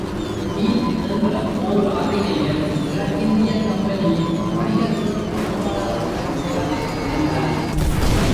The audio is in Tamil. ஹீத் என்ற ஓர் ஆங்கிலேயர், கிழக்கிந்தியக் கம்பெனியின் வணிகத்துறைப் பொறுப்பாளராகச் சேலத்தில் இருந்தார்.